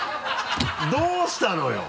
どうしたのよ？